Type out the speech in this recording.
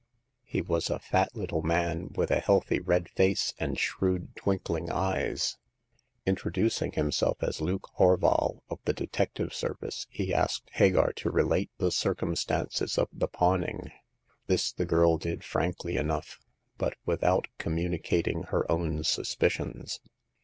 He was a fat little man, with a healthy red face and shrewd twinkling eyes. Introducing himself as Luke Horval, of the detective service, he asked Hagar to relate the circumstances of the pawn ing. This the girl did frankly enough, but with out communicating her own suspicions.